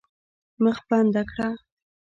مخ بنده کړه.